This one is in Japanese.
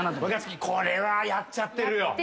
若槻これはやっちゃってるよ。